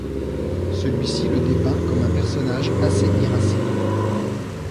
Celui-ci le dépeint comme un personnage assez irascible.